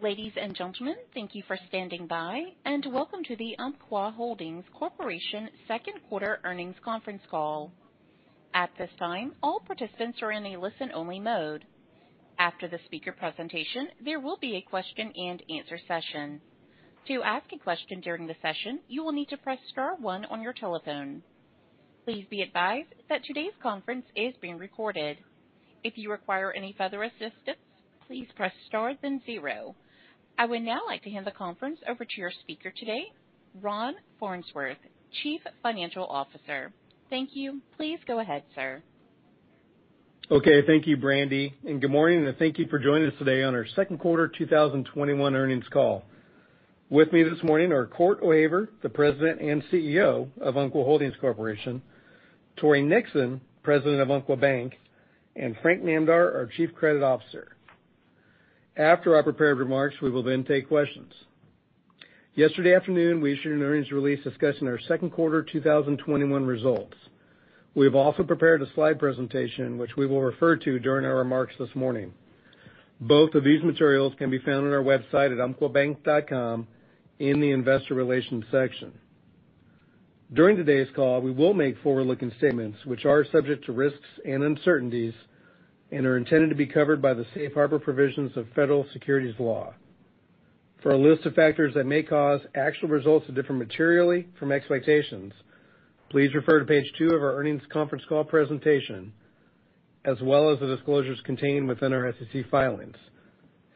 Ladies and gentlemen, thank you for standing by, and welcome to the Umpqua Holdings Corporation second quarter earnings conference call. At this time, all participants are in a listen-only mode. After the speaker presentation, there will be a question and answer session. To ask a question during the session, you will need to press star one on your telephone. Please be advised that today's conference is being recorded. If you require any further assistance, please press star then zero. I would now like to hand the conference over to your speaker today, Ron Farnsworth, Chief Financial Officer. Thank you. Please go ahead, sir. Okay. Thank you, Brandy, and good morning, and thank you for joining us today on our second quarter 2021 earnings call. With me this morning are Cort O'Haver, the President and CEO of Umpqua Holdings Corporation, Tory Nixon, President of Umpqua Bank, and Frank Namdar, our Chief Credit Officer. After our prepared remarks, we will then take questions. Yesterday afternoon, we issued an earnings release discussing our second quarter 2021 results. We have also prepared a slide presentation, which we will refer to during our remarks this morning. Both of these materials can be found on our website at umpquabank.com in the investor relations section. During today's call, we will make forward-looking statements which are subject to risks and uncertainties and are intended to be covered by the safe harbor provisions of federal securities law. For a list of factors that may cause actual results to differ materially from expectations, please refer to page two of our earnings conference call presentation, as well as the disclosures contained within our SEC filings.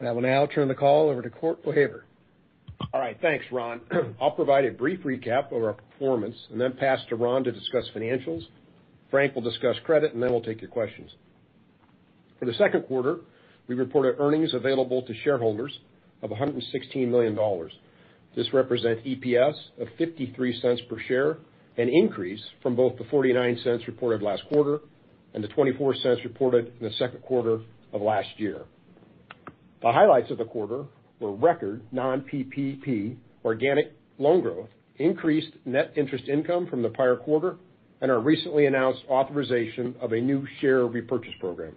I will now turn the call over to Cort O'Haver. All right. Thanks, Ron. I'll provide a brief recap of our performance and then pass to Ron to discuss financials. Frank will discuss credit, and then we'll take your questions. For the 2nd quarter, we reported earnings available to shareholders of $116 million. This represents EPS of $0.53 per share, an increase from both the $0.49 reported last quarter and the $0.24 reported in the 2nd quarter of last year. The highlights of the quarter were record non-PPP organic loan growth, increased net interest income from the prior quarter, and our recently announced authorization of a new share repurchase program.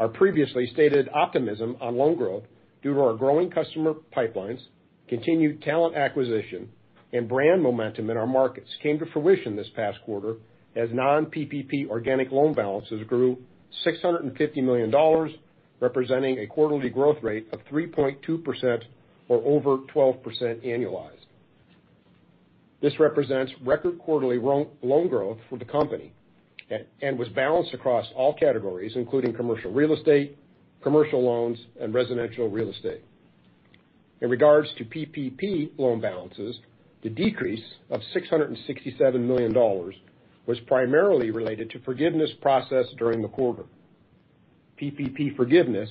Our previously stated optimism on loan growth due to our growing customer pipelines, continued talent acquisition, and brand momentum in our markets came to fruition this past quarter as non-PPP organic loan balances grew $650 million, representing a quarterly growth rate of 3.2% or over 12% annualized. This represents record quarterly loan growth for the company and was balanced across all categories, including commercial real estate, commercial loans, and residential real estate. In regards to PPP loan balances, the decrease of $667 million was primarily related to forgiveness processed during the quarter. PPP forgiveness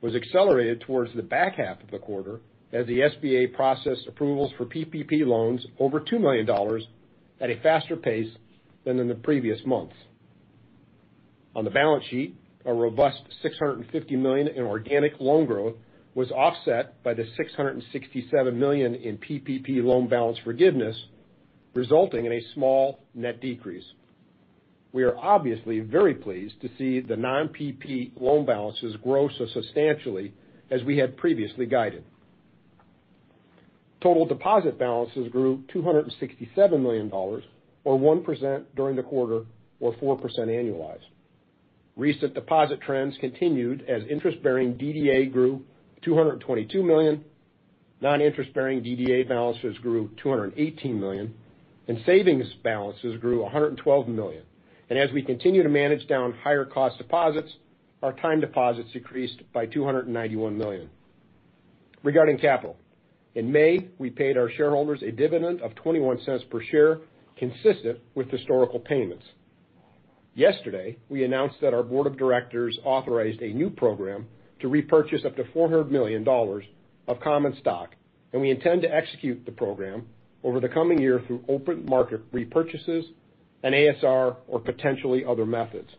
was accelerated towards the back half of the quarter as the SBA processed approvals for PPP loans over $2 million at a faster pace than in the previous months. On the balance sheet, a robust $650 million in organic loan growth was offset by the $667 million in PPP loan balance forgiveness, resulting in a small net decrease. We are obviously very pleased to see the non-PPP loan balances grow so substantially as we had previously guided. Total deposit balances grew $267 million or 1% during the quarter or 4% annualized. Recent deposit trends continued as interest-bearing DDA grew $222 million, non-interest-bearing DDA balances grew $218 million, and savings balances grew $112 million. As we continue to manage down higher cost deposits, our time deposits decreased by $291 million. Regarding capital, in May, we paid our shareholders a dividend of $0.21 per share consistent with historical payments. Yesterday, we announced that our board of directors authorized a new program to repurchase up to $400 million of common stock, and we intend to execute the program over the coming year through open market repurchases and ASR or potentially other methods.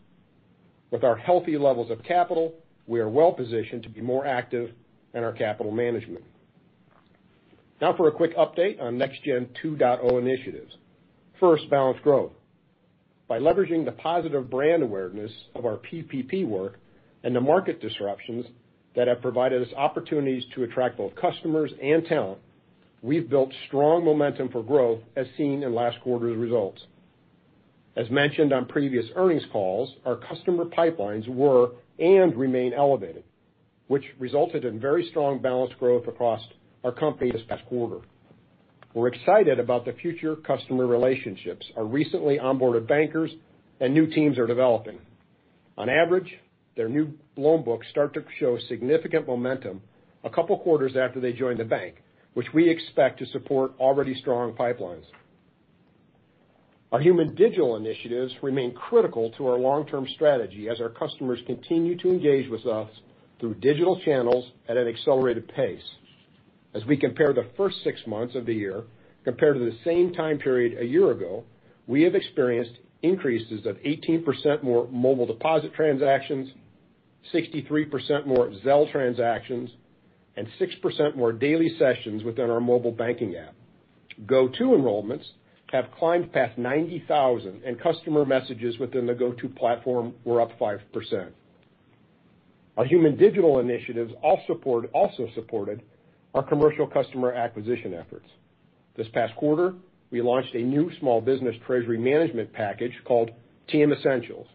With our healthy levels of capital, we are well-positioned to be more active in our capital management. Now for a quick update on Next Gen 2.0 initiatives. First, balanced growth. By leveraging the positive brand awareness of our PPP work and the market disruptions that have provided us opportunities to attract both customers and talent, we've built strong momentum for growth as seen in last quarter's results. As mentioned on previous earnings calls, our customer pipelines were and remain elevated, which resulted in very strong balance growth across our company this past quarter. We're excited about the future customer relationships our recently onboarded bankers and new teams are developing. On average, their new loan books start to show significant momentum a couple quarters after they join the bank, which we expect to support already strong pipelines. Our human digital initiatives remain critical to our long-term strategy as our customers continue to engage with us through digital channels at an accelerated pace. As we compare the first six months of the year compared to the same time period a year ago, we have experienced increases of 18% more mobile deposit transactions, 63% more Zelle transactions, and 6% more daily sessions within our mobile banking app. Go-To enrollments have climbed past 90,000, and customer messages within the Go-To platform were up 5%. Our human digital initiatives also supported our commercial customer acquisition efforts. This past quarter, we launched a new small business treasury management package called TM Essentials,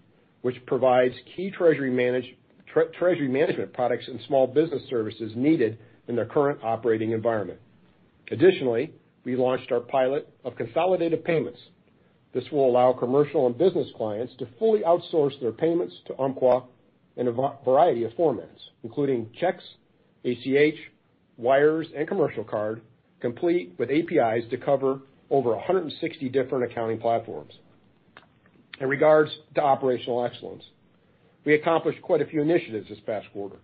which provides key treasury management products and small business services needed in their current operating environment. We launched our pilot of consolidated payments. This will allow commercial and business clients to fully outsource their payments to Umpqua in a variety of formats, including checks, ACH, wires, and commercial card, complete with APIs to cover over 160 different accounting platforms. In regards to operational excellence, we accomplished quite a few initiatives this past quarter.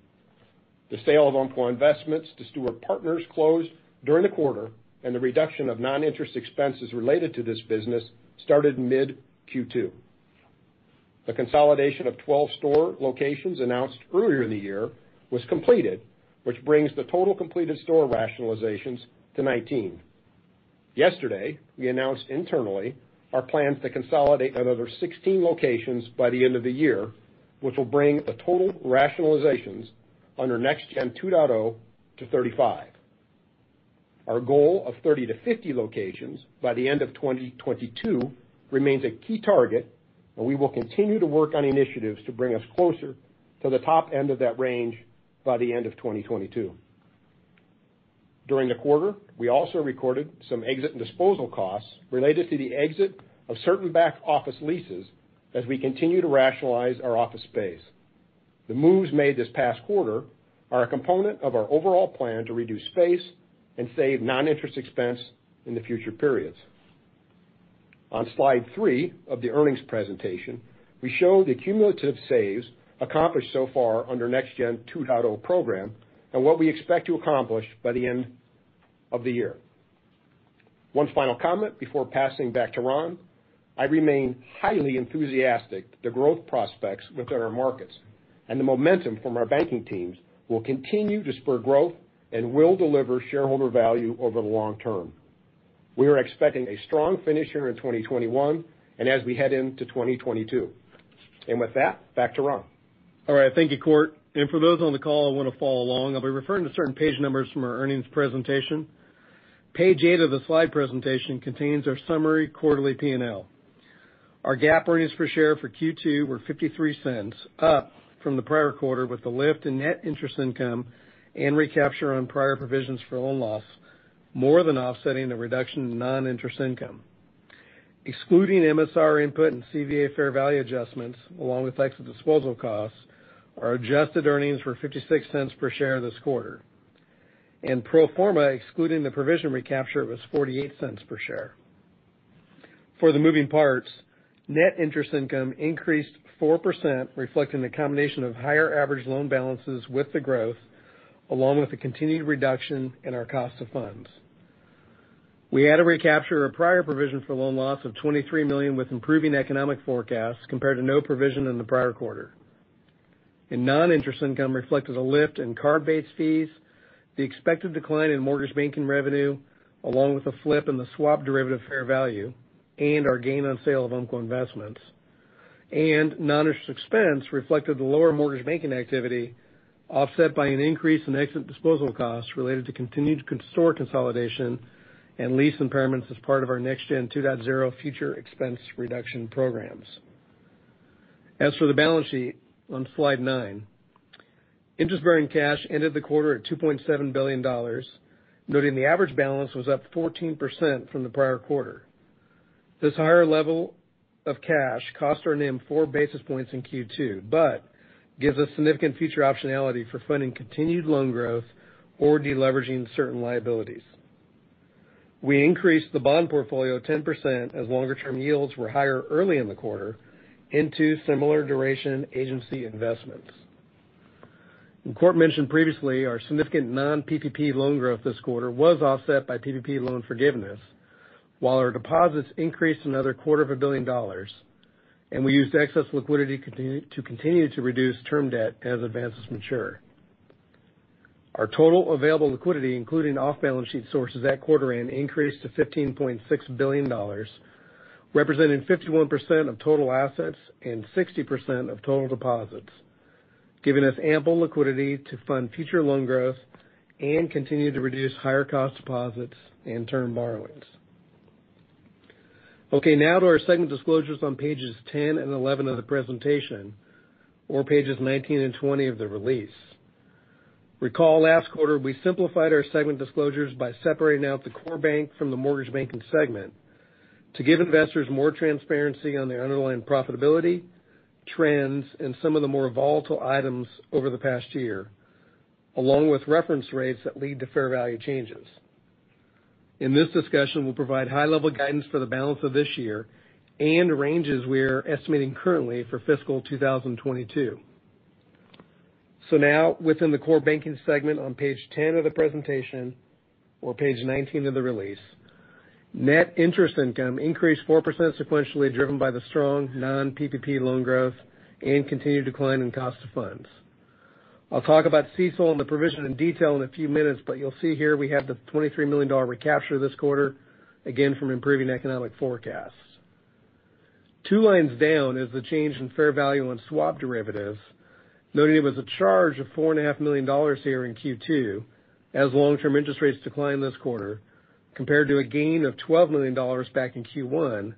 The sale of Umpqua Investments to Steward Partners closed during the quarter. The reduction of non-interest expenses related to this business started mid Q2. The consolidation of 12 store locations announced earlier in the year was completed, which brings the total completed store rationalizations to 19. Yesterday, we announced internally our plans to consolidate another 16 locations by the end of the year, which will bring the total rationalizations under Next Gen 2.0 to 35. Our goal of 30-50 locations by the end of 2022 remains a key target, and we will continue to work on initiatives to bring us closer to the top end of that range by the end of 2022. During the quarter, we also recorded some exit and disposal costs related to the exit of certain back-office leases as we continue to rationalize our office space. The moves made this past quarter are a component of our overall plan to reduce space and save non-interest expense in the future periods. On slide three of the earnings presentation, we show the cumulative saves accomplished so far under Next Gen 2.0 program and what we expect to accomplish by the end of the year. One final comment before passing back to Ron. I remain highly enthusiastic the growth prospects within our markets and the momentum from our banking teams will continue to spur growth and will deliver shareholder value over the long term. We are expecting a strong finish here in 2021 and as we head into 2022. With that, back to Ron. All right. Thank you, Cort. For those on the call who want to follow along, I'll be referring to certain page numbers from our earnings presentation. Page eight of the slide presentation contains our summary quarterly P&L. Our GAAP earnings per share for Q2 were $0.53, up from the prior quarter with the lift in net interest income and recapture on prior provisions for loan loss more than offsetting the reduction in non-interest income. Excluding MSR input and CVA fair value adjustments along with exit disposal costs, our adjusted earnings were $0.56 per share this quarter. Pro forma, excluding the provision recapture, was $0.48 per share. For the moving parts, net interest income increased 4%, reflecting the combination of higher average loan balances with the growth, along with the continued reduction in our cost of funds. We had to recapture a prior provision for loan loss of $23 million with improving economic forecasts compared to no provision in the prior quarter. Non-interest income reflected a lift in card-based fees, the expected decline in mortgage banking revenue, along with a flip in the swap derivative fair value and our gain on sale of Umpqua Investments. Non-interest expense reflected the lower mortgage banking activity offset by an increase in exit disposal costs related to continued store consolidation and lease impairments as part of our Next Gen 2.0 future expense reduction programs. As for the balance sheet on slide 9, interest-bearing cash ended the quarter at $2.7 billion. Noting the average balance was up 14% from the prior quarter. This higher level of cash cost our NIM 4 basis points in Q2 but gives us significant future optionality for funding continued loan growth or deleveraging certain liabilities. We increased the bond portfolio 10% as longer-term yields were higher early in the quarter into similar duration agency investments. Cort mentioned previously our significant non-PPP loan growth this quarter was offset by PPP loan forgiveness while our deposits increased another quarter of a billion dollars. We used excess liquidity to continue to reduce term debt as advances mature. Our total available liquidity, including off-balance sheet sources at quarter end, increased to $15.6 billion, representing 51% of total assets and 60% of total deposits, giving us ample liquidity to fund future loan growth and continue to reduce higher cost deposits and term borrowings. Okay, now to our segment disclosures on pages 10 and 11 of the presentation, or pages 19 and 20 of the release. Recall last quarter, we simplified our segment disclosures by separating out the Core Bank from the Mortgage Banking segment to give investors more transparency on the underlying profitability, trends, and some of the more volatile items over the past year, along with reference rates that lead to fair value changes. In this discussion, we'll provide high-level guidance for the balance of this year and ranges we are estimating currently for fiscal 2022. Now within the Core Banking segment on page 10 of the presentation or page 19 of the release, net interest income increased 4% sequentially driven by the strong non-PPP loan growth and continued decline in cost of funds. I'll talk about CECL and the provision in detail in a few minutes, but you'll see here we have the $23 million recapture this quarter, again from improving economic forecasts. Two lines down is the change in fair value on swap derivatives, noted with a charge of $4.5 million here in Q2 as long-term interest rates declined this quarter, compared to a gain of $12 million back in Q1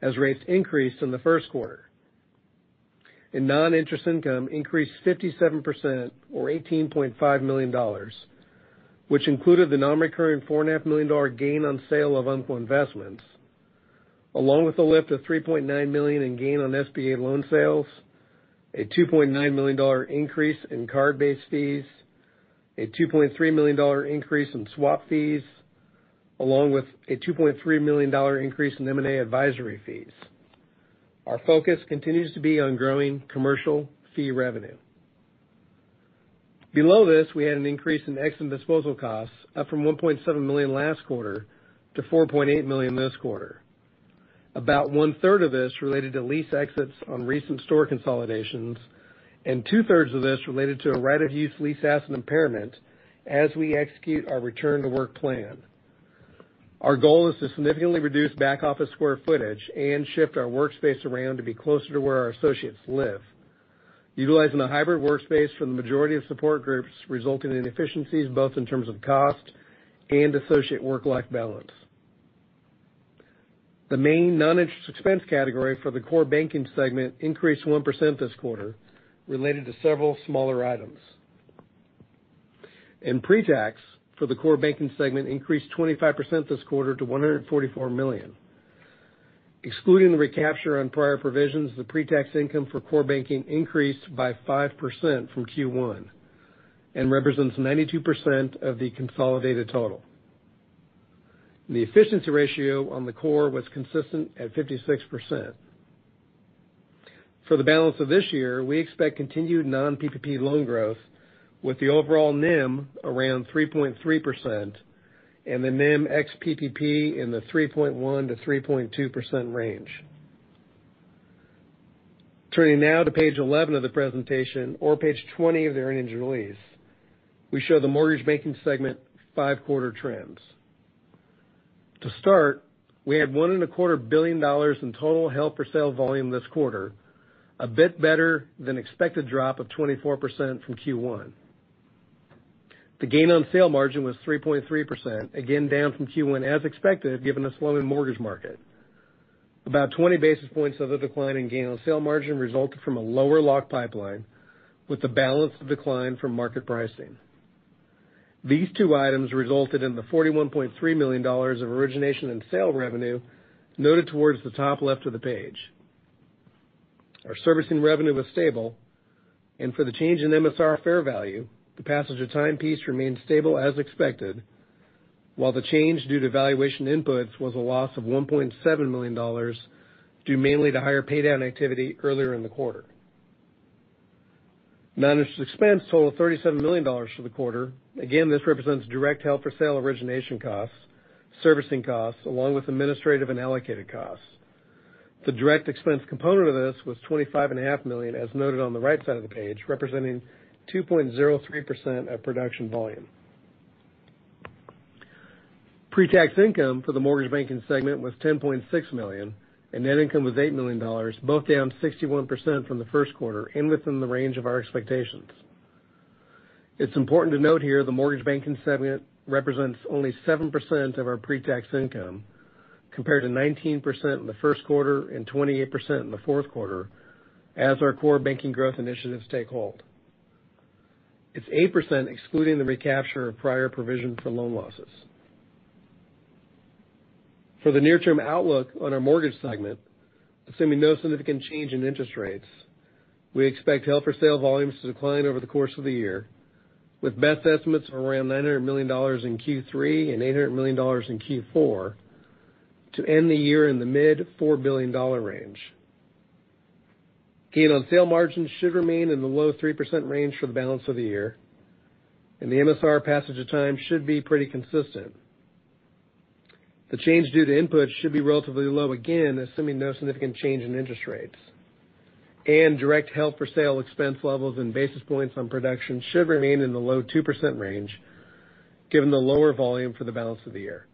as rates increased in the first quarter. Non-interest income increased 57% or $18.5 million, which included the non-recurring $4.5 million gain on sale of Umpqua Investments, along with a lift of $3.9 million in gain on SBA loan sales, a $2.9 million increase in card-based fees, a $2.3 million increase in swap fees, along with a $2.3 million increase in M&A advisory fees. Our focus continues to be on growing commercial fee revenue. Below this, we had an increase in exit and disposal costs up from $1.7 million last quarter to $4.8 million this quarter. About 1/3 of this related to lease exits on recent store consolidations, 2/3 of this related to a right of use lease asset impairment as we execute our return-to-work plan. Our goal is to significantly reduce back office square footage and shift our workspace around to be closer to where our associates live. Utilizing a hybrid workspace for the majority of support groups resulting in efficiencies both in terms of cost and associate work-life balance. The main non-interest expense category for the core banking segment increased 1% this quarter related to several smaller items. Pre-tax for the core banking segment increased 25% this quarter to $144 million. Excluding the recapture on prior provisions, the pre-tax income for core banking increased by 5% from Q1 and represents 92% of the consolidated total. The efficiency ratio on the core was consistent at 56%. For the balance of this year, we expect continued non-PPP loan growth with the overall NIM around 3.3% and the NIM ex-PPP in the 3.1%-3.2% range. Turning now to page 11 of the presentation or page 20 of the earnings release, we show the mortgage banking segment five-quarter trends. To start, we had $1.25 billion in total held for sale volume this quarter, a bit better than expected drop of 24% from Q1. The gain on sale margin was 3.3%, again down from Q1 as expected, given the slowing mortgage market. About 20 basis points of the decline in gain on sale margin resulted from a lower lock pipeline, with the balance of decline from market pricing. These two items resulted in the $41.3 million of origination and sale revenue noted towards the top left of the page. Our servicing revenue was stable, and for the change in MSR fair value, the passage of time piece remained stable as expected, while the change due to valuation inputs was a loss of $1.7 million due mainly to higher pay down activity earlier in the quarter. Managed expense totaled $37 million for the quarter. Again, this represents direct held for sale origination costs, servicing costs, along with administrative and allocated costs. The direct expense component of this was $25.5 million, as noted on the right side of the page, representing 2.03% of production volume. Pre-tax income for the mortgage banking segment was $10.6 million, and net income was $8 million, both down 61% from the first quarter and within the range of our expectations. It's important to note here the mortgage banking segment represents only 7% of our pre-tax income, compared to 19% in the first quarter and 28% in the fourth quarter as our core banking growth initiatives take hold. It's 8% excluding the recapture of prior provision for loan losses. For the near-term outlook on our mortgage segment, assuming no significant change in interest rates, we expect to held for sale volumes to decline over the course of the year with best estimates around $900 million in Q3 and $800 million in Q4 to end the year in the mid $4 billion range. Gain on sale margins should remain in the low 3% range for the balance of the year, and the MSR passage of time should be pretty consistent. The change due to input should be relatively low again, assuming no significant change in interest rates. Direct held for sale expense levels and basis points on production should remain in the low 2% range given the lower volume for the balance of the year.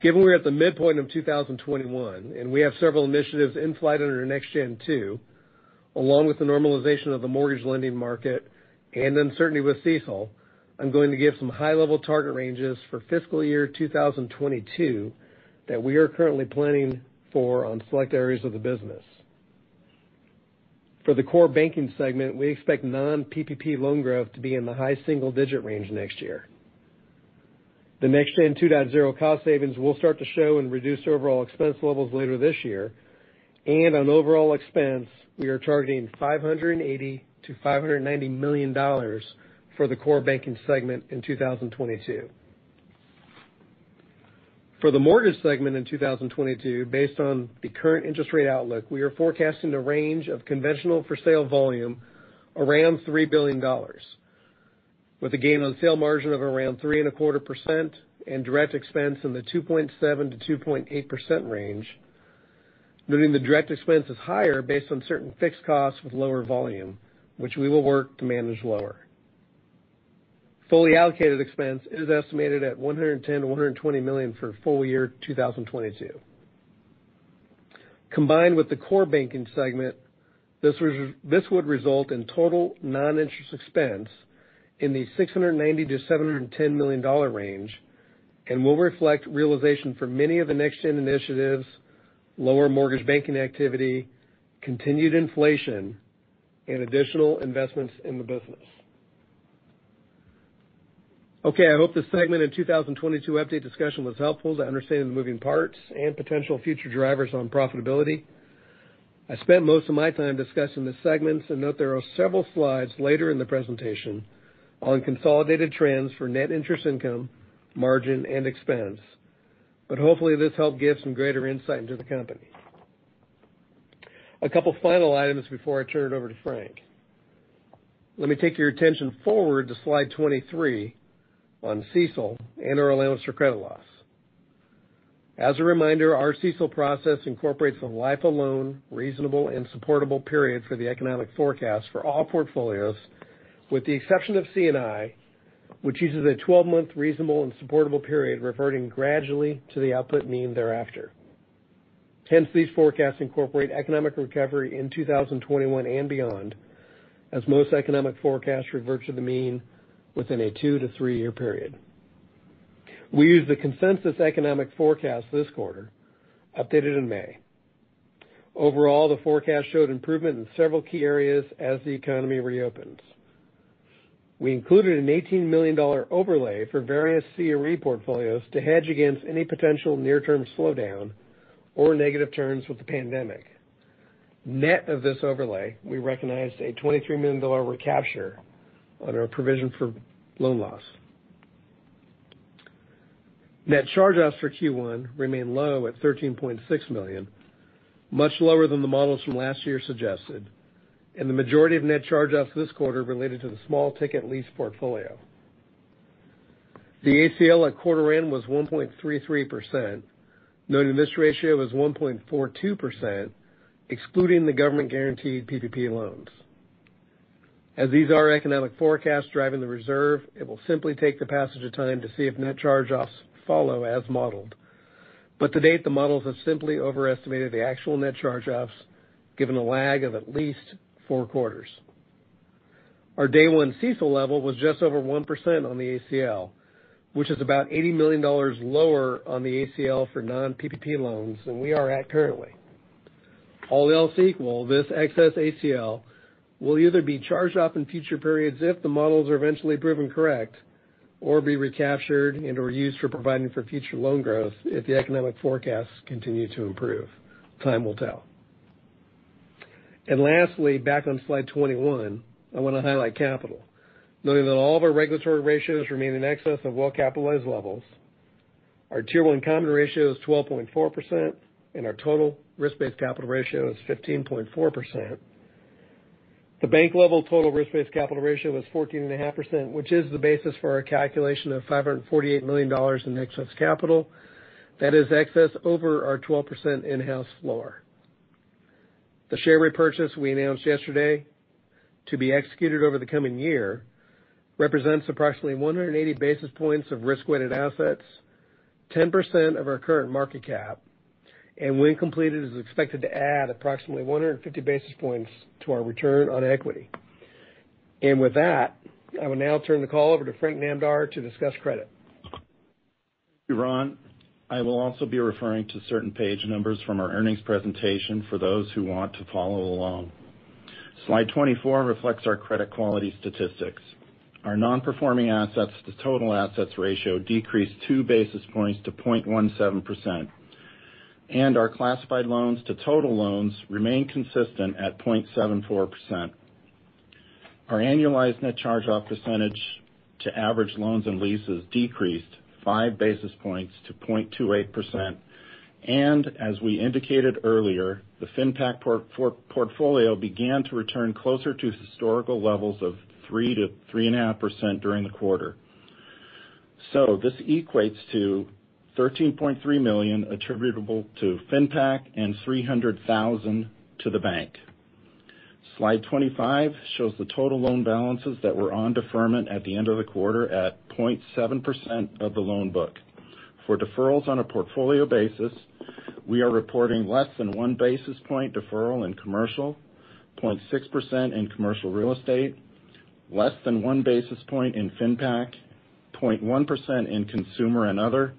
Given we're at the midpoint of 2021 and we have several initiatives in flight under Next Gen 2.0, along with the normalization of the mortgage lending market and uncertainty with CECL, I'm going to give some high-level target ranges for fiscal year 2022 that we are currently planning for on select areas of the business. For the core banking segment, we expect non-PPP loan growth to be in the high single-digit range next year. The Next Gen 2.0 cost savings will start to show in reduced overall expense levels later this year. On overall expense, we are targeting $580 million-$590 million for the core banking segment in 2022. For the mortgage segment in 2022, based on the current interest rate outlook, we are forecasting a range of conventional for sale volume around $3 billion. With a gain on sale margin of around 3.25% and direct expense in the 2.7%-2.8% range, noting the direct expense is higher based on certain fixed costs with lower volume, which we will work to manage lower. Fully allocated expense is estimated at $110 million-$120 million for full year 2022. Combined with the core banking segment, this would result in total non-interest expense in the $690 million-$710 million range and will reflect realization for many of the Next Gen initiatives, lower mortgage banking activity, continued inflation, and additional investments in the business. Okay, I hope this segment and 2022 update discussion was helpful to understanding the moving parts and potential future drivers on profitability. I spent most of my time discussing the segments. Note there are several slides later in the presentation on consolidated trends for net interest income, margin, and expense. Hopefully this helped give some greater insight into the company. A couple final items before I turn it over to Frank Namdar. Let me take your attention forward to slide 23 on CECL and our allowance for credit loss. As a reminder, our CECL process incorporates a life of loan reasonable and supportable period for the economic forecast for all portfolios, with the exception of C&I, which uses a 12-month reasonable and supportable period reverting gradually to the output mean thereafter. Hence, these forecasts incorporate economic recovery in 2021 and beyond, as most economic forecasts revert to the mean within a 2-3-year period. We use the consensus economic forecast this quarter, updated in May. Overall, the forecast showed improvement in several key areas as the economy reopens. We included an $18 million overlay for various CRE portfolios to hedge against any potential near-term slowdown or negative turns with the pandemic. Net of this overlay, we recognized a $23 million recapture on our provision for loan loss. Net charge-offs for Q1 remain low at $13.6 million, much lower than the models from last year suggested, and the majority of net charge-offs this quarter related to the small ticket lease portfolio. The ACL at quarter end was 1.33%, noting this ratio was 1.42%, excluding the government-guaranteed PPP loans. As these are economic forecasts driving the reserve, it will simply take the passage of time to see if net charge-offs follow as modeled. To date, the models have simply overestimated the actual net charge-offs, given a lag of at least four quarters. Our day one CECL level was just over 1% on the ACL, which is about $80 million lower on the ACL for non-PPP loans than we are at currently. All else equal, this excess ACL will either be charged off in future periods if the models are eventually proven correct, or be recaptured and/or used for providing for future loan growth if the economic forecasts continue to improve. Time will tell. Lastly, back on slide 21, I want to highlight capital, noting that all of our regulatory ratios remain in excess of well-capitalized levels. Our Tier 1 common ratio is 12.4%, and our total risk-based capital ratio is 15.4%. The bank-level total risk-based capital ratio was 14.5%, which is the basis for our calculation of $548 million in excess capital, that is excess over our 12% in-house floor. The share repurchase we announced yesterday to be executed over the coming year represents approximately 180 basis points of risk-weighted assets, 10% of our current market cap, and when completed, is expected to add approximately 150 basis points to our return on equity. With that, I will now turn the call over to Frank Namdar to discuss credit. Ron, I will also be referring to certain page numbers from our earnings presentation for those who want to follow along. Slide 24 reflects our credit quality statistics. Our non-performing assets to total assets ratio decreased 2 basis points to 0.17%, and our classified loans to total loans remain consistent at 0.74%. Our annualized net charge-off percentage to average loans and leases decreased 5 basis points to 0.28%. As we indicated earlier, the FinPac portfolio began to return closer to historical levels of 3%-3.5% during the quarter. This equates to $13.3 million attributable to FinPac and $300,000 to the bank. Slide 25 shows the total loan balances that were on deferment at the end of the quarter at 0.7% of the loan book. For deferrals on a portfolio basis, we are reporting less than one basis point deferral in commercial, 0.6% in commercial real estate, less than one basis point in FinPac, 0.1% in consumer and other,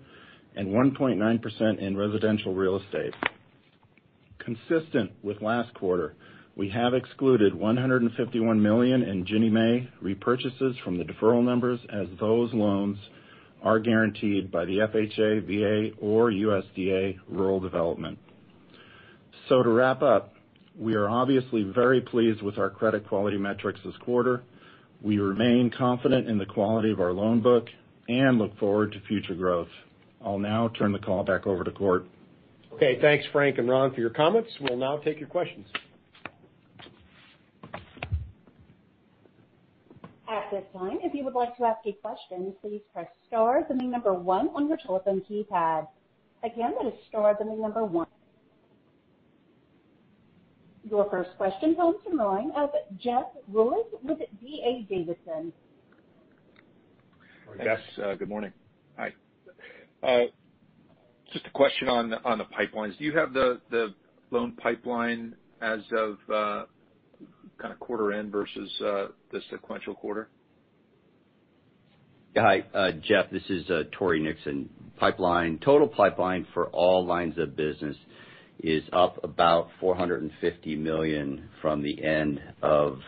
and 1.9% in residential real estate. Consistent with last quarter, we have excluded $151 million in Ginnie Mae repurchases from the deferral numbers, as those loans are guaranteed by the FHA, VA, or USDA Rural Development. To wrap up, we are obviously very pleased with our credit quality metrics this quarter. We remain confident in the quality of our loan book and look forward to future growth. I'll now turn the call back over to Cort. Okay, thanks Frank and Ron for your comments. We'll now take your questions. Your first question comes from the line of Jeff Rulis with D.A. Davidson. Hi, Jeff. Good morning. Hi. Just a question on the pipelines. Do you have the loan pipeline as of quarter end versus the sequential quarter? Hi, Jeff, this is Tory Nixon. Total pipeline for all lines of business is up about $450 million from the end of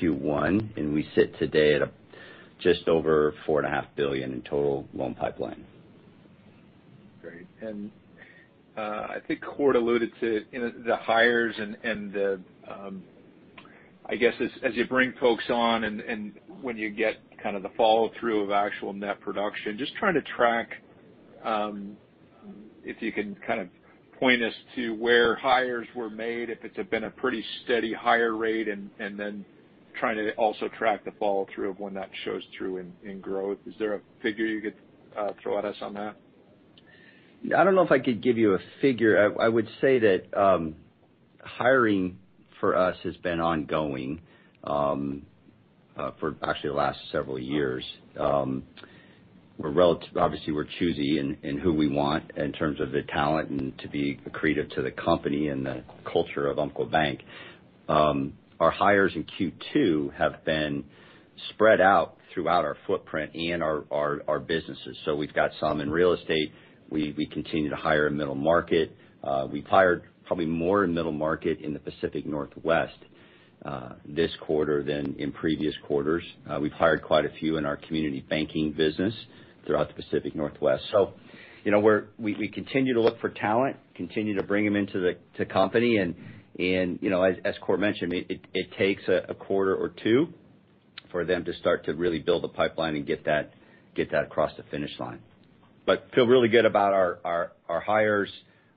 Q1, and we sit today at just over $4.5 billion in total loan pipeline. Great. I think Cort alluded to the hires. I guess, as you bring folks on and when you get the follow-through of actual net production, just trying to track if you can point us to where hires were made, if it had been a pretty steady hire rate and then trying to also track the follow-through of when that shows through in growth. Is there a figure you could throw at us on that? I don't know if I could give you a figure. I would say that hiring for us has been ongoing for actually the last several years. Obviously, we're choosy in who we want in terms of the talent and to be accretive to the company and the culture of Umpqua Bank. Our hires in Q2 have been spread out throughout our footprint and our businesses. We've got some in real estate. We continue to hire in middle market. We've hired probably more in middle market in the Pacific Northwest this quarter than in previous quarters. We've hired quite a few in our community banking business throughout the Pacific Northwest. We continue to look for talent, continue to bring them into company and as Cort mentioned, it takes a quarter or two for them to start to really build a pipeline and get that across the finish line. Feel really good about our hires,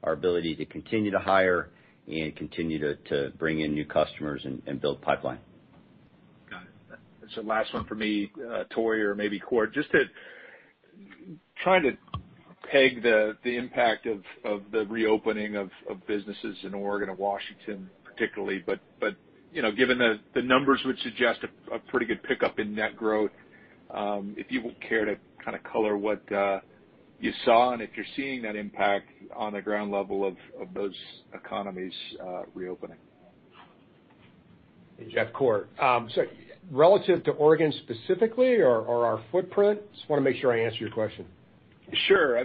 our ability to continue to hire and continue to bring in new customers and build pipeline. Got it. Last one from me, Tory, or maybe Cort O'Haver, just to try to peg the impact of the reopening of businesses in Oregon and Washington particularly, but given the numbers which suggest a pretty good pickup in net growth, if you would care to kind of color what you saw and if you're seeing that impact on the ground level of those economies reopening. Hey, Jeff. Cort. Relative to Oregon specifically or our footprint? Just want to make sure I answer your question. Sure.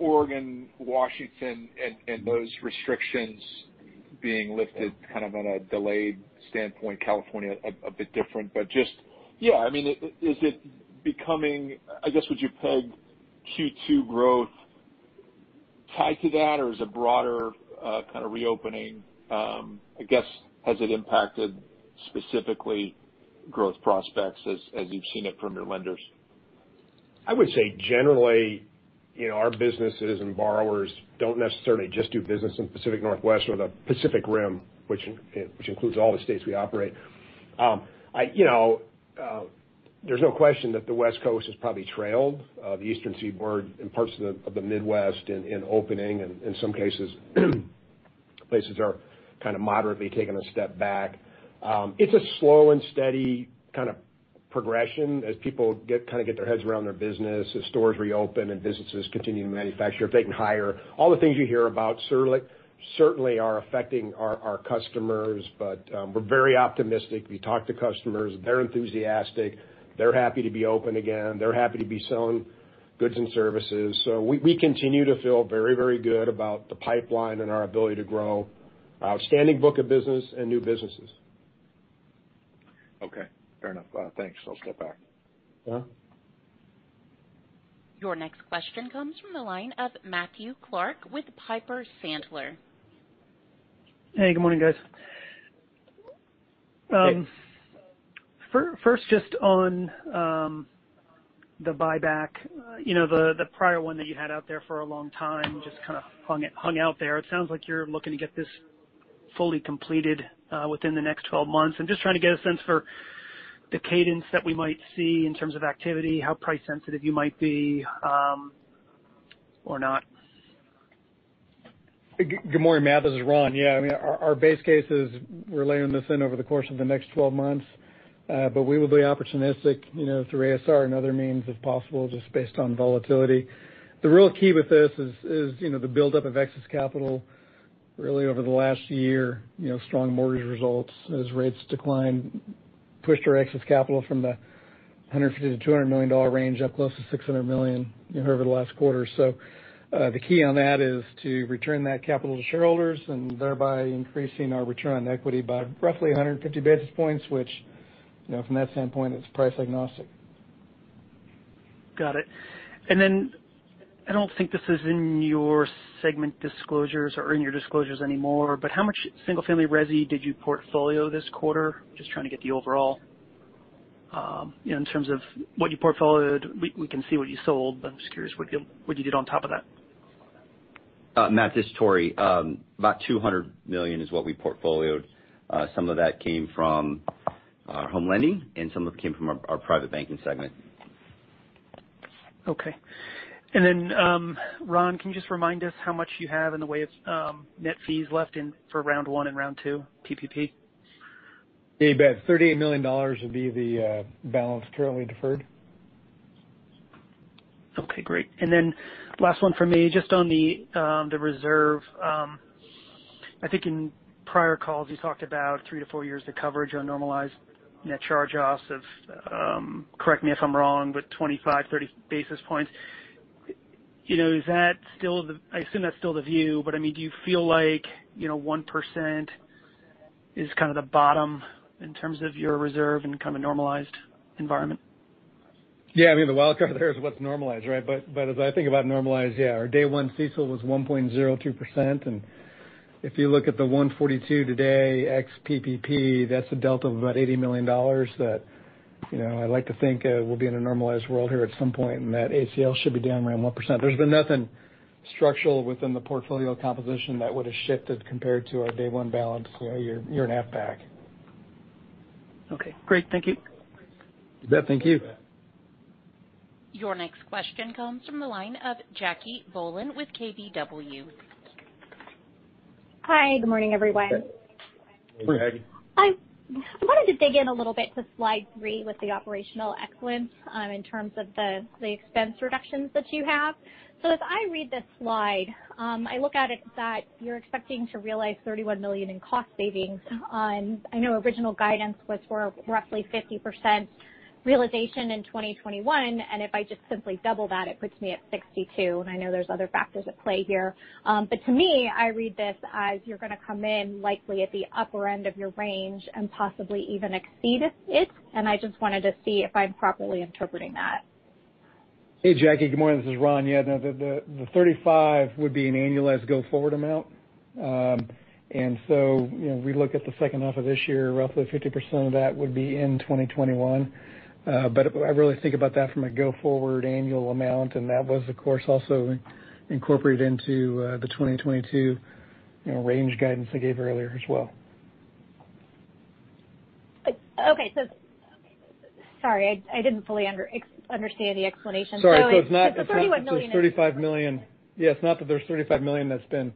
Oregon, Washington, and those restrictions being lifted on a delayed standpoint. California a bit different, but just, I guess, would you peg Q2 growth tied to that or is it broader kind of reopening? I guess, has it impacted specifically growth prospects as you've seen it from your lenders? I would say generally, our businesses and borrowers don't necessarily just do business in Pacific Northwest or the Pacific Rim, which includes all the states we operate. There's no question that the West Coast has probably trailed the Eastern Seaboard and parts of the Midwest in opening and in some cases, places are kind of moderately taking a step back. It's a slow and steady kind of progression as people get their heads around their business, as stores reopen and businesses continue to manufacture, if they can hire. All the things you hear about certainly are affecting our customers. We're very optimistic. We talk to customers. They're enthusiastic. They're happy to be open again. They're happy to be selling goods and services. We continue to feel very good about the pipeline and our ability to grow outstanding book of business and new businesses. Okay. Fair enough. Thanks. I'll step back. Yeah. Your next question comes from the line of Matthew Clark with Piper Sandler. Hey, good morning, guys. Hey. First just on the buyback. The prior one that you had out there for a long time just kind of hung out there. It sounds like you're looking to get this fully completed within the next 12 months. I'm just trying to get a sense for the cadence that we might see in terms of activity, how price sensitive you might be or not. Good morning, Matt. This is Ron. Yeah, our base case is we're laying this in over the course of the next 12 months. We would be opportunistic through ASR and other means if possible, just based on volatility. The real key with this is the buildup of excess capital really over the last year, strong mortgage results as rates decline pushed our excess capital from the $150 million-$200 million range up close to $600 million over the last quarter. The key on that is to return that capital to shareholders and thereby increasing our return on equity by roughly 150 basis points, which from that standpoint is price agnostic. Got it. I don't think this is in your segment disclosures or in your disclosures anymore, but how much single-family resi did you portfolio this quarter? Just trying to get the overall. In terms of what you portfolioed, we can see what you sold, but I'm just curious what you did on top of that. Matt, this is Tory. About $200 million is what we portfolioed. Some of that came from our home lending, and some of it came from our private banking segment. Okay. Ron, can you just remind us how much you have in the way of net fees left in for round one and round two PPP? You bet. $38 million would be the balance currently deferred. Okay, great. Then last one from me, just on the reserve. I think in prior calls you talked about 3-4 years of coverage on normalized net charge-offs of, correct me if I'm wrong, but 25, 30 basis points. I assume that's still the view, but do you feel like 1% is kind of the bottom in terms of your reserve in kind of a normalized environment? Yeah. I mean, the wildcard there is what's normalized, right? As I think about normalized, yeah. Our day one CECL was 1.02%, and if you look at the 142 today, ex PPP, that's a delta of about $80 million that I'd like to think we'll be in a normalized world here at some point, and that ACL should be down around 1%. There's been nothing structural within the portfolio composition that would've shifted compared to our day one balance year and a half back. Okay, great. Thank you. You bet. Thank you. Your next question comes from the line of Jackie Bohlen with KBW. Hi, good morning, everyone. Good morning, Jackie. I wanted to dig in a little bit to slide three with the operational excellence in terms of the expense reductions that you have. As I read this slide, I look at it that you're expecting to realize $31 million in cost savings on, I know original guidance was for roughly 50% realization in 2021, and if I just simply double that, it puts me at 62, and I know there's other factors at play here. To me, I read this as you're going to come in likely at the upper end of your range and possibly even exceed it, and I just wanted to see if I'm properly interpreting that. Hey, Jackie, good morning. This is Ron. Yeah, no, the $35 would be an annualized go-forward amount. We look at the second half of this year, roughly 50% of that would be in 2021. I really think about that from a go-forward annual amount, and that was, of course, also incorporated into the 2022 range guidance I gave earlier as well. Okay. Sorry, I didn't fully understand the explanation. Sorry. The $31 million. There's $35 million. Yeah, it's not that there's $35 million that's been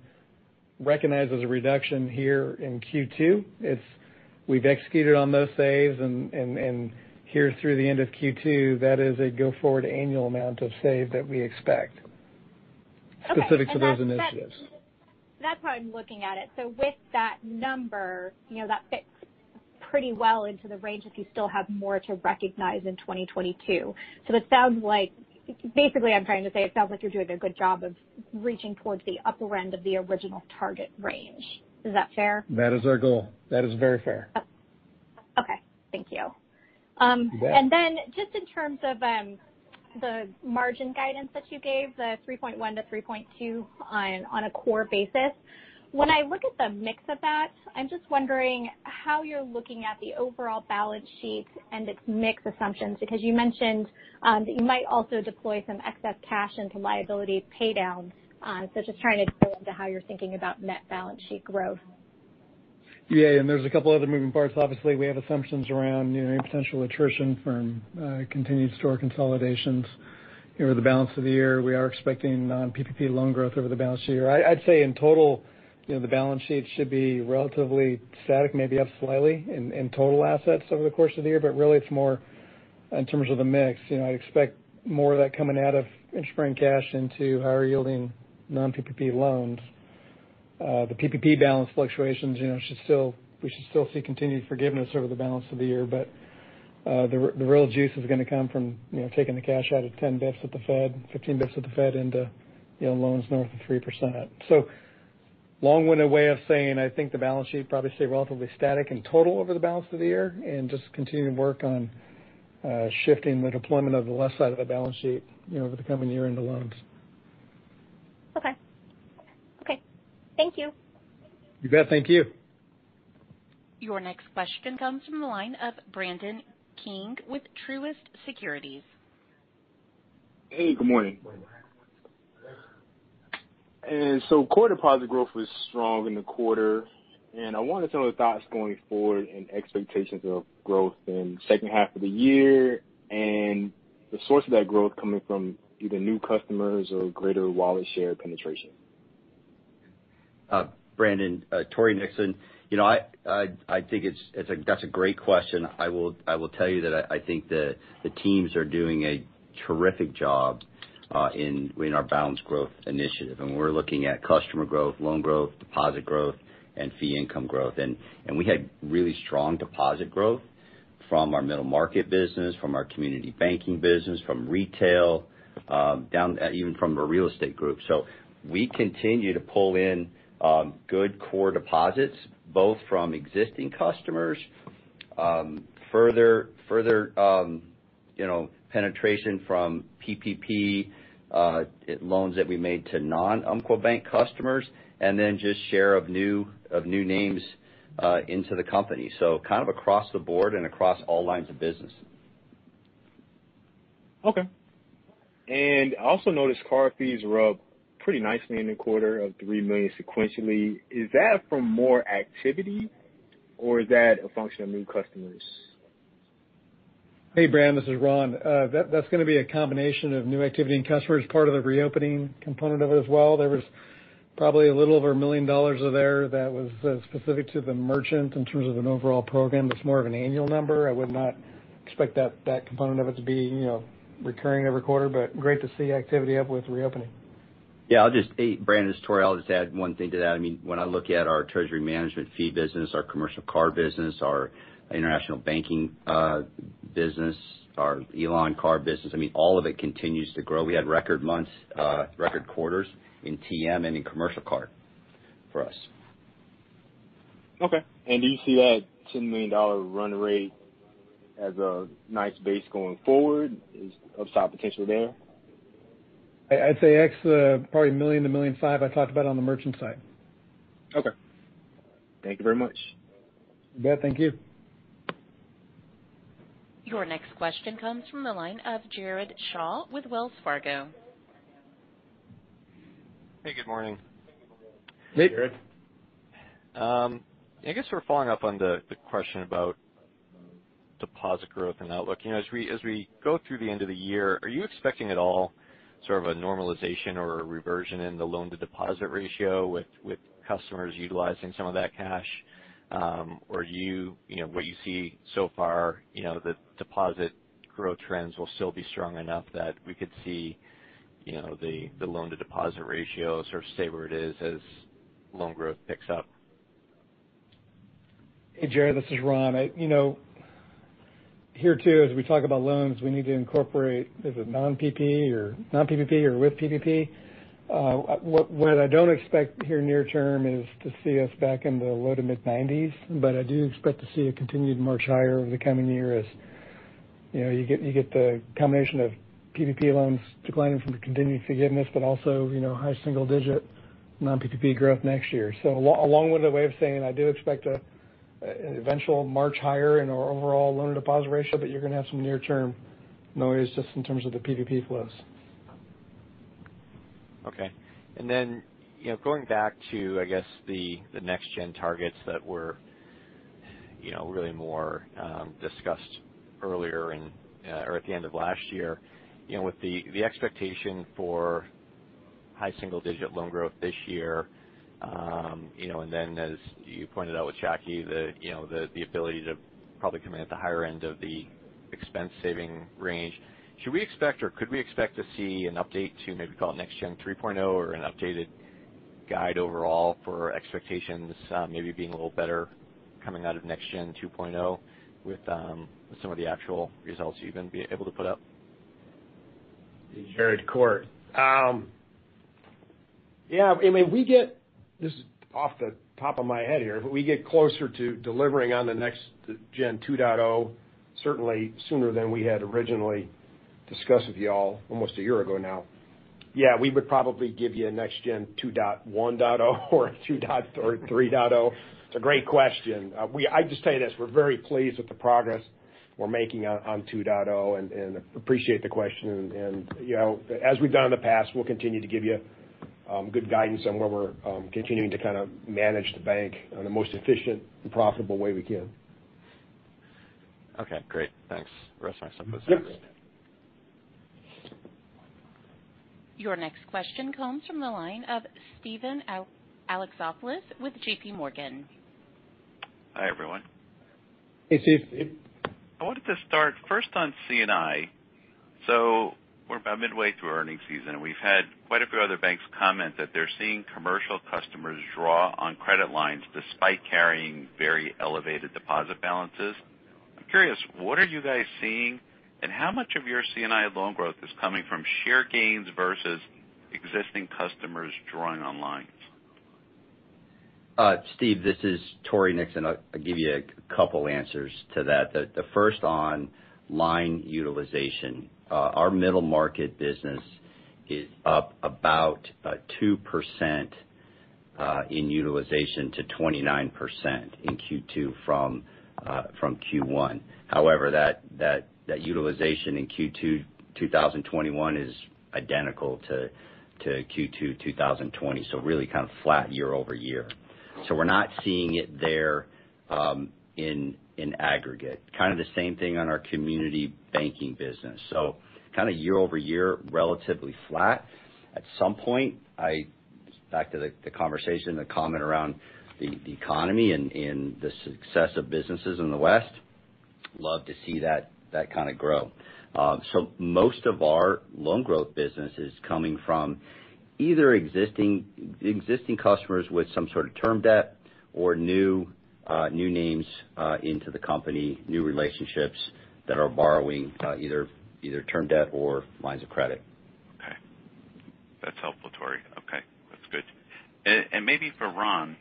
recognized as a reduction here in Q2. It's we've executed on those saves and here through the end of Q2, that is a go-forward annual amount of save that we expect... Okay ...specific to those initiatives. That's how I'm looking at it. With that number, that fits pretty well into the range if you still have more to recognize in 2022. It sounds like, basically I'm trying to say it sounds like you're doing a good job of reaching towards the upper end of the original target range. Is that fair? That is our goal. That is very fair. Okay. Thank you. You bet. Just in terms of the margin guidance that you gave, the 3.1%-3.2% on a core basis. When I look at the mix of that, I'm just wondering how you're looking at the overall balance sheet and its mix assumptions, because you mentioned that you might also deploy some excess cash into liability pay downs. Just trying to drill into how you're thinking about net balance sheet growth. Yeah, there's a couple other moving parts. Obviously, we have assumptions around any potential attrition from continued store consolidations over the balance of the year. We are expecting non-PPP loan growth over the balance of the year. I'd say in total, the balance sheet should be relatively static, maybe up slightly in total assets over the course of the year, but really it's more in terms of the mix. I'd expect more of that coming out of interest-bearing cash into higher yielding non-PPP loans. The PPP balance fluctuations, we should still see continued forgiveness over the balance of the year. The real juice is going to come from taking the cash out of 10 bips with the Fed, 15 bips with the Fed into loans north of 3%. Long-winded way of saying I think the balance sheet probably stay relatively static in total over the balance of the year and just continue to work on shifting the deployment of the left side of the balance sheet over the coming year into loans. Okay. Thank you. You bet. Thank you. Your next question comes from the line of Brandon King with Truist Securities. Hey, good morning. Core deposit growth was strong in the quarter, and I wanted some of the thoughts going forward and expectations of growth in the second half of the year and the source of that growth coming from either new customers or greater wallet share penetration. Brandon, Tory Nixon. I think that's a great question. I will tell you that I think the teams are doing a terrific job in our balance growth initiative, we're looking at customer growth, loan growth, deposit growth, and fee income growth. We had really strong deposit growth from our middle market business, from our community banking business, from retail, down even from our real estate group. We continue to pull in good core deposits, both from existing customers further penetration from PPP loans that we made to non-Umpqua Bank customers, and then just share of new names into the company. Kind of across the board and across all lines of business. Okay. I also noticed card fees were up pretty nicely in the quarter of $3 million sequentially. Is that from more activity or is that a function of new customers? Hey, Brandon King, this is Ron Farnsworth. That's going to be a combination of new activity and customers, part of the reopening component of it as well. There was probably a little over $1 million there that was specific to the merchant in terms of an overall program. That's more of an annual number. I would not expect that component of it to be recurring every quarter. Great to see activity up with reopening. Yeah. Brandon, this is Tory. I'll just add one thing to that. When I look at our treasury management fee business, our commercial card business, our international banking business, our Elan card business, all of it continues to grow. We had record months, record quarters in TM and in commercial card for us. Okay. Do you see that $10 million run rate as a nice base going forward? Is upside potential there? I'd say X probably $1 million-$1.5 million I talked about on the merchant side. Okay. Thank you very much. You bet. Thank you. Your next question comes from the line of Jared Shaw with Wells Fargo. Hey, good morning. Hey, Jared. I guess we're following up on the question about deposit growth and outlook. As we go through the end of the year, are you expecting at all sort of a normalization or a reversion in the loan-to-deposit ratio with customers utilizing some of that cash? What you see so far, the deposit growth trends will still be strong enough that we could see the loan-to-deposit ratio sort of stay where it is as loan growth picks up. Hey, Jared, this is Ron. Here too, as we talk about loans, we need to incorporate is it non-PPP or with PPP? What I don't expect here near term is to see us back in the low to mid-90s. I do expect to see a continued march higher over the coming year as you get the combination of PPP loans declining from the continued forgiveness but also high single digit non-PPP growth next year. A long-winded way of saying I do expect an eventual march higher in our overall loan-to-deposit ratio, but you're going to have some near-term noise just in terms of the PPP flows. Okay. Going back to, I guess, the Next Gen targets that were really more discussed earlier or at the end of last year. With the expectation for high single-digit loan growth this year, and as you pointed out with Jackie, the ability to probably come in at the higher end of the expense saving range. Should we expect or could we expect to see an update to maybe call it Next Gen 3.0 or an updated guide overall for expectations maybe being a little better coming out of Next Gen 2.0 with some of the actual results you've been able to put up? Hey, Jared. Cort. Yeah. This is off the top of my head here. If we get closer to delivering on the Next Gen 2.0, certainly sooner than we had originally discussed with you all almost a year ago now. Yeah, we would probably give you a Next Gen 2.1.0 or a 2.3.0. It's a great question. I'd just tell you this, we're very pleased with the progress we're making on 2.0 and appreciate the question. As we've done in the past, we'll continue to give you good guidance on where we're continuing to kind of manage the bank in the most efficient and profitable way we can. Okay, great. Thanks. The rest of my stuff was answered. Your next question comes from the line of Steven Alexopoulos with JPMorgan. Hi, everyone. Hey, Steven. I wanted to start first on C&I. We're about midway through earnings season, and we've had quite a few other banks comment that they're seeing commercial customers draw on credit lines despite carrying very elevated deposit balances. I'm curious, what are you guys seeing, and how much of your C&I loan growth is coming from share gains versus existing customers drawing on lines? Steven Alexopoulos, this is Tory Nixon. I'll give you a couple answers to that. The first on line utilization. Our middle market business is up about 2% in utilization to 29% in Q2 from Q1. However, that utilization in Q2 2021 is identical to Q2 2020. Really kind of flat year-over-year. We're not seeing it there in aggregate. Kind of the same thing on our community banking business. Kind of year-over-year, relatively flat. At some point, back to the conversation, the comment around the economy and the success of businesses in the West, love to see that kind of grow. Most of our loan growth business is coming from either existing customers with some sort of term debt or new names into the company, new relationships that are borrowing either term debt or lines of credit. Okay, thats helpful Tory. Okay, that's good. Maybe for Ron,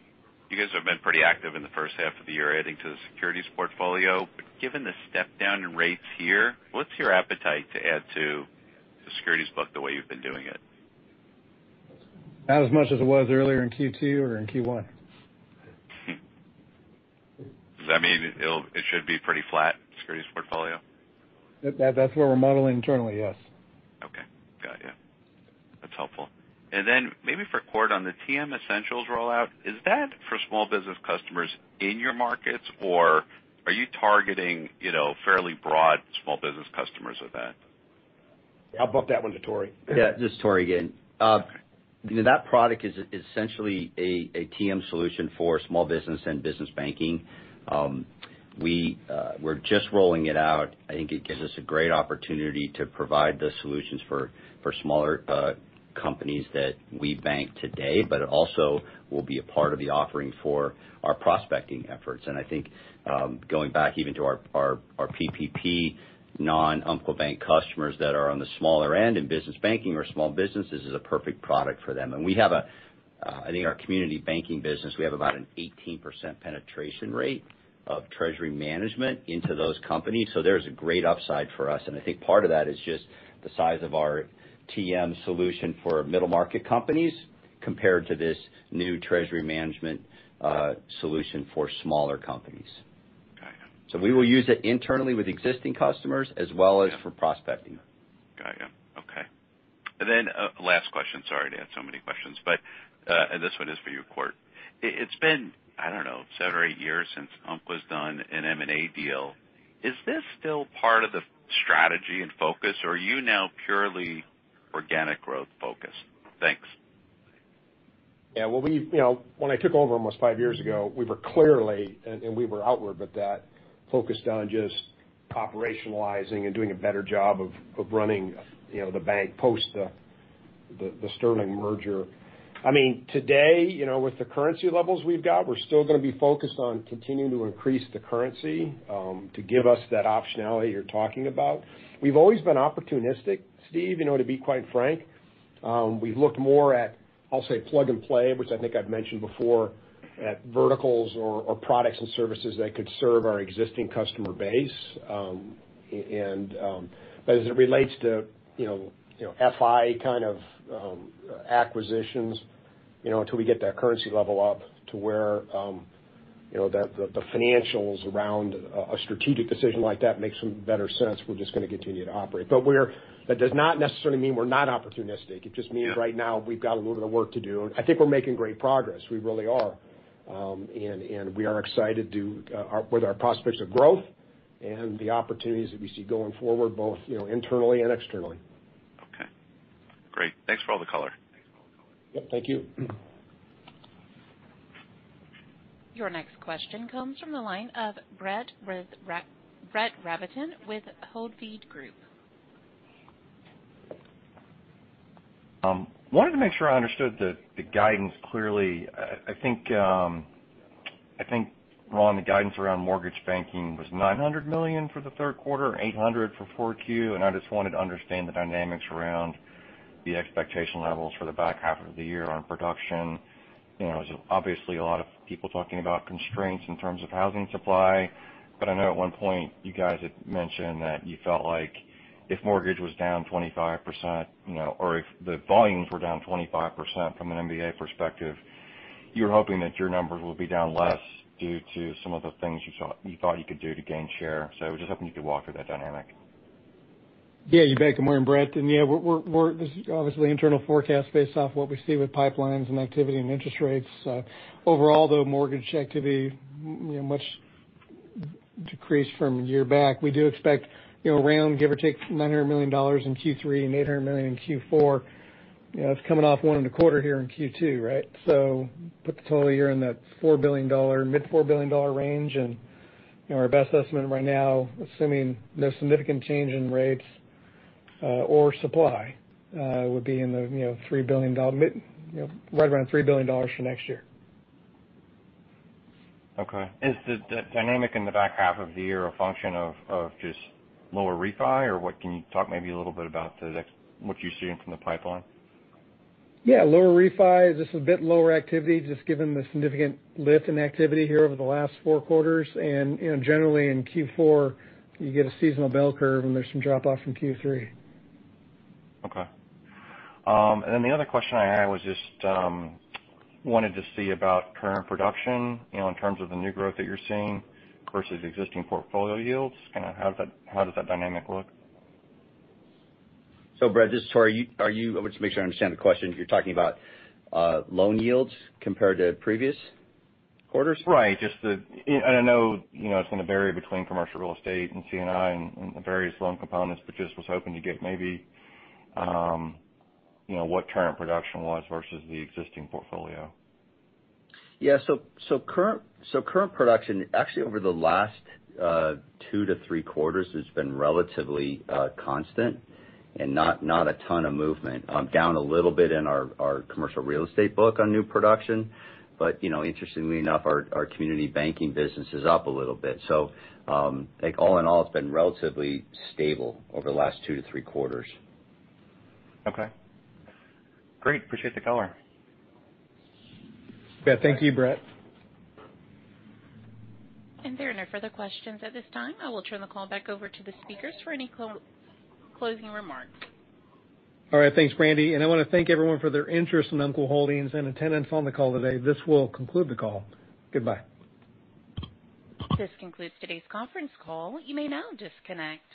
you guys have been pretty active in the first half of the year adding to the securities portfolio. Given the step-down in rates here, what's your appetite to add to the securities book the way you've been doing it? Not as much as it was earlier in Q2 or in Q1. Does that mean it should be pretty flat, securities portfolio? That's where we're modeling internally, yes. Okay. Got you. That's helpful. Then maybe for Cort on the TM Essentials rollout, is that for small business customers in your markets, or are you targeting fairly broad small business customers with that? I'll bump that one to Tory. Yeah, this is Tory again. That product is essentially a TM solution for small business and business banking. We're just rolling it out. I think it gives us a great opportunity to provide the solutions for smaller companies that we bank today, but it also will be a part of the offering for our prospecting efforts. I think going back even to our PPP non-Umpqua Bank customers that are on the smaller end in business banking or small businesses is a perfect product for them. We have, I think our community banking business, we have about an 18% penetration rate of treasury management into those companies. There's a great upside for us. I think part of that is just the size of our TM solution for middle-market companies compared to this new treasury management solution for smaller companies. Got you. We will use it internally with existing customers as well as for prospecting. Got you. Okay. Last question. Sorry to add so many questions. This one is for you, Cort. It's been, I don't know, seven or eight years since Umpqua's done an M&A deal. Is this still part of the strategy and focus, or are you now purely organic growth focused? Thanks. Yeah. When I took over almost five years ago, we were clearly, and we were outward with that, focused on just operationalizing and doing a better job of running the bank post the Sterling merger. Today, with the currency levels we've got, we're still going to be focused on continuing to increase the currency to give us that optionality you're talking about. We've always been opportunistic, Steve, to be quite frank. We've looked more at, I'll say plug and play, which I think I've mentioned before, at verticals or products and services that could serve our existing customer base. As it relates to FI kind of acquisitions, until we get that currency level up to where the financials around a strategic decision like that makes some better sense, we're just going to continue to operate. That does not necessarily mean we're not opportunistic. It just means right now we've got a little bit of work to do. I think we're making great progress. We really are. We are excited with our prospects of growth and the opportunities that we see going forward, both internally and externally. Okay. Great. Thanks for all the color. Yep, thank you. Your next question comes from the line of Brett Rabatin with Hovde Group. Wanted to make sure I understood the guidance clearly. I think, Ron, the guidance around mortgage banking was $900 million for the third quarter, $800 for 4Q. I just wanted to understand the dynamics around the expectation levels for the back half of the year on production. There's obviously a lot of people talking about constraints in terms of housing supply. I know at one point you guys had mentioned that you felt like if mortgage was down 25%, or if the volumes were down 25% from an MBA perspective, you were hoping that your numbers would be down less due to some of the things you thought you could do to gain share. I was just hoping you could walk through that dynamic. Yeah, you bet. Good morning, Brett. Yeah, this is obviously internal forecast based off what we see with pipelines and activity and interest rates. Overall, though, mortgage activity much decreased from a year back. We do expect around, give or take, $900 million in Q3 and $800 million in Q4. It's coming off one and a quarter here in Q2, right? Put the total year in that mid $4 billion range. Our best estimate right now, assuming no significant change in rates or supply, would be right around $3 billion for next year. Okay. Is the dynamic in the back half of the year a function of just lower refi? Can you talk maybe a little bit about what you're seeing from the pipeline? Yeah. Lower refi is just a bit lower activity, just given the significant lift in activity here over the last four quarters. Generally in Q4, you get a seasonal bell curve and there's some drop off from Q3. Okay. The other question I had was just wanted to see about current production in terms of the new growth that you're seeing versus existing portfolio yields. How does that dynamic look? Brett, this is Tory. I want to make sure I understand the question. You're talking about loan yields compared to previous quarters? Right. I know it's going to vary between commercial real estate and C&I and the various loan components, but just was hoping to get maybe what current production was versus the existing portfolio. Yeah. Current production, actually over the last two to three quarters has been relatively constant and not a ton of movement. Down a little bit in our commercial real estate book on new production. Interestingly enough, our community banking business is up a little bit. I think all in all, it's been relatively stable over the last two to three quarters. Okay. Great. Appreciate the color. Yeah. Thank you, Brett. There are no further questions at this time. I will turn the call back over to the speakers for any closing remarks. All right. Thanks, Brandy. I want to thank everyone for their interest in Umpqua Holdings and attendance on the call today. This will conclude the call. Goodbye. This concludes today's conference call. You may now disconnect.